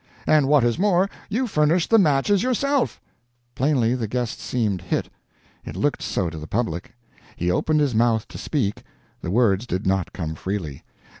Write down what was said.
"And what is more, you furnished the matches yourself!" Plainly the guest seemed hit; it looked so to the public. He opened his mouth to speak; the words did not come freely.